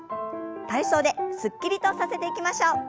体操ですっきりとさせていきましょう。